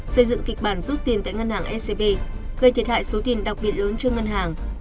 xây dựng kịch bản rút tiền tại ngân hàng scb gây thiệt hại số tiền đặc biệt lớn cho ngân hàng